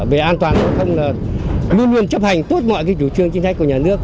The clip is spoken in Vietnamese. về an toàn giao thông luôn luôn chấp hành tốt mọi chủ trương chính trách của nhà nước